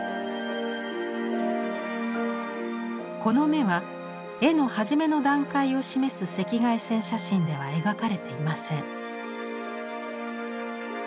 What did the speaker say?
この眼は絵の初めの段階を示す赤外線写真では描かれていません。